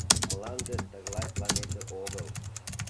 Мланде тыглай планете огыл!